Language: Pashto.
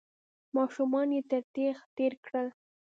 ماشومان يې تر تېغ تېر کړل.